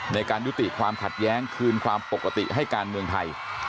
ในการยุติความขัดแย้งคืนความปกติให้การเมืองไทย